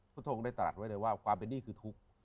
พระทรงได้ตลอดไว้เลยว่าความเป็นหนี้คือทุกข์